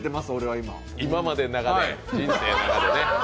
今までの人生の中でね。